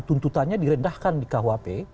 tuntutannya direndahkan di kuap